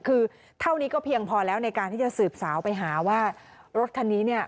คือเท่านี้ก็เพียงพอแล้วในการที่จะสืบสาวไปหาว่ารถคันนี้เนี่ย